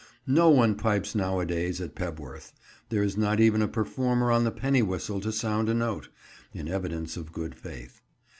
No one pipes nowadays at Pebworth; there is not even a performer on the penny whistle to sound a note, in evidence of good faith.